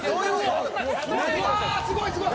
「うわーすごいすごい！」